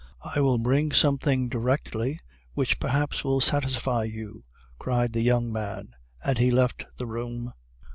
"'I will bring something directly which perhaps will satisfy you,' cried the young man, and he left the room.